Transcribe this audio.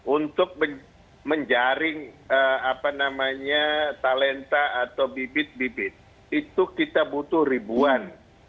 untuk menjaring talenta atau bibit bibit itu kita butuh ribuan